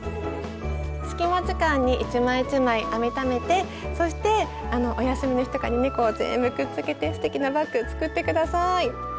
隙間時間に一枚一枚編みためてそしてお休みの日とかにねこう全部くっつけてすてきなバッグ作って下さい。